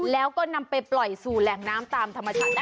แล้วก็นำไปปล่อยสู่แหล่งน้ำตามธรรมชาติได้